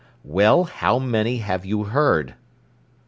"Well, how many have you heard?"